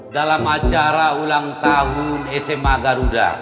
dalam acara ulang tahun sma garuda